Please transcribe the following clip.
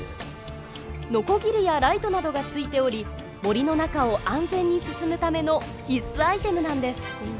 ノコギリやライトなどが付いており森の中を安全に進むための必須アイテムなんです。